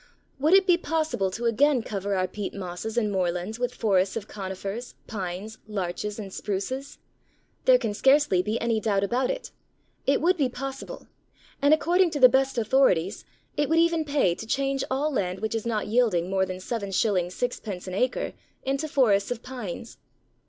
Would it be possible to again cover our peat mosses and moorlands with forests of Conifers, Pines, Larches, and Spruces? There can scarcely be any doubt about it: it would be possible, and according to the best authorities it would even pay to change all land which is not yielding more than 7s. 6d. an acre into forests of Pines.